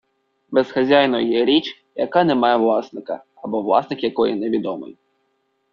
Безхазяйною є річ, яка не має власника або власник якої невідомий.